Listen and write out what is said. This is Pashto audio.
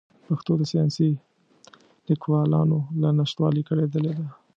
پښتو د ساینسي لیکوالانو له نشتوالي کړېدلې ده.